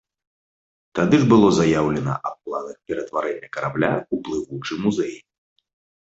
Тады ж было заяўлена аб планах ператварэння карабля ў плывучы музей.